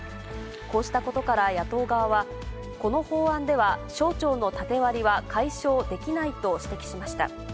こうしたことから、野党側は、この法案では、省庁の縦割りは解消できないと指摘しました。